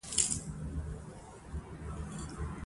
کله چې مو په لاره